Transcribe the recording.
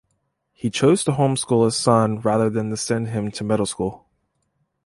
He chose to home-school his son rather than to send him to middle school.